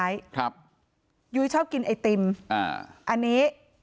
ยุ้ยชอบเต็มไอติม